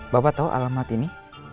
bapak tahu alamat ini